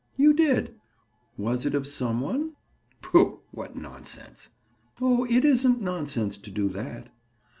"You did. Was it of some one?" "Pooh! What nonsense!" "Oh, it isn't nonsense to do that."